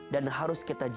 dan harus kita lakukan